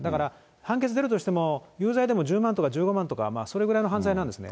判決出るとしても、有罪でも１０万とか、１５万とか、それぐらいの犯罪なんですね。